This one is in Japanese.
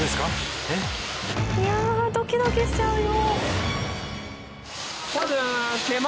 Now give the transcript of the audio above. いやあドキドキしちゃうよ。